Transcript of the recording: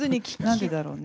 なんでだろうね。